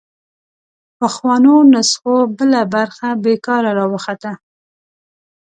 پخوانو نسخو بله برخه بېکاره راوخته